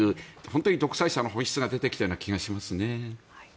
本当に独裁者の本質が出てきたような気がしますね。